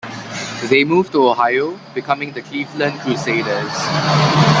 They moved to Ohio, becoming the Cleveland Crusaders.